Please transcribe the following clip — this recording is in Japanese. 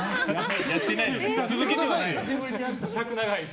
続けてはないんだ。